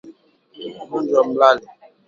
Ugonjwa wa malale